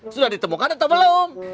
sudah ditemukan atau belum